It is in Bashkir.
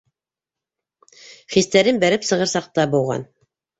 Хистәрен бәреп сығыр саҡта быуған.